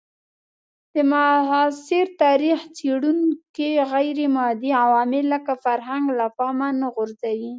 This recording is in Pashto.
د معاصر تاریخ څېړونکي غیرمادي عوامل لکه فرهنګ له پامه نه غورځوي.